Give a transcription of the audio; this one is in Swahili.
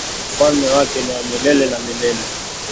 Ufalme wake ni wa milele na milele.